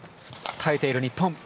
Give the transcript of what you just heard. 耐えている、日本。